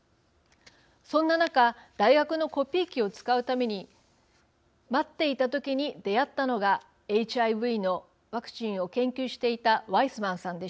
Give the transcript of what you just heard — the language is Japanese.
そんな中大学のコピー機を使うために待っていた時に出会ったのがＨＩＶのワクチンを研究していたワイスマンさんでした。